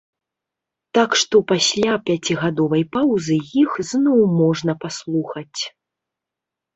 Так што пасля пяцігадовай паўзы іх зноў можна паслухаць.